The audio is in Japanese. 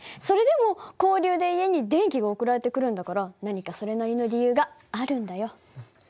それでも交流で家に電気が送られてくるんだから何かそれなりの理由があるんだよ。